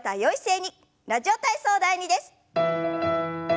「ラジオ体操第２」です。